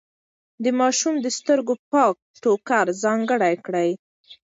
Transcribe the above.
د ماشوم د سترګو پاک ټوکر ځانګړی کړئ.